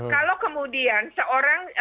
kalau kemudian seorang